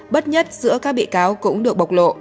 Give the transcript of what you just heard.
bất nhất giữa các bị cáo cũng được bộc lộ